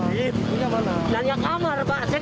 dia bilang saya mau ke rumah sakit